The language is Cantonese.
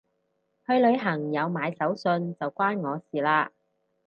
去旅行有買手信就關我事嘞